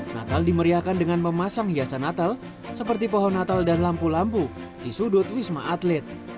natal dimeriahkan dengan memasang hiasan natal seperti pohon natal dan lampu lampu di sudut wisma atlet